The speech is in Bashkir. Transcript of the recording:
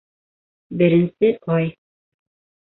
Беренсе ай.